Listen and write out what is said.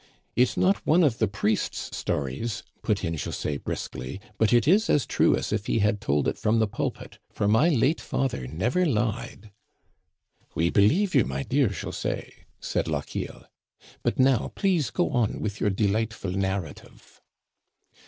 "It's not one of the priest's stories," put in José briskly ;" but it is as true as if he had told it from the pulpit ; for my late father never lied." "We believe you, my dear José," said Lochiel. " But now please go on with your delightful narrative."